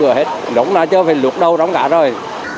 đống đã chưa phải lục đâu đóng cả rồi